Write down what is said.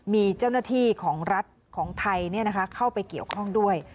มีเจ้าหน้าที่ของรัฐของไทยเข้าไปเกี่ยวข้องด้วย